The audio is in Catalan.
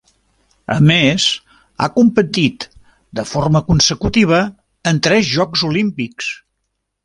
A més, ha competit de forma consecutiva en tres Jocs Olímpics.